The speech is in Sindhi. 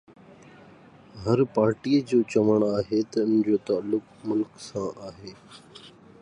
هر پارٽيءَ جو چوڻ آهي ته ان جو تعلق ملڪ سان آهي